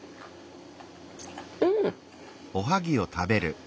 うん！